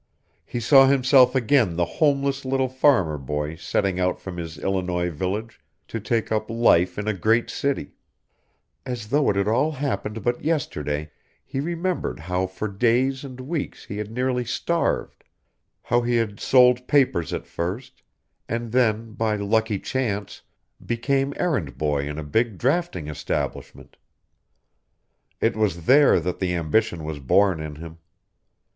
He saw himself again the homeless little farmer boy setting out from his Illinois village to take up life in a great city; as though it had all happened but yesterday he remembered how for days and weeks he had nearly starved, how he had sold papers at first, and then, by lucky chance, became errand boy in a big drafting establishment. It was there that the ambition was born in him.